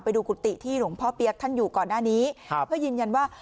ไปดูกุฏิที่หลวงพ่อเปี๊ยกท่านอยู่ก่อนหน้านี้ครับเพื่อยืนยันว่า